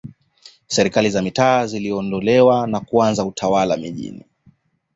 Serikali za mitaa ziliondolewa na kuanza Utawala mijini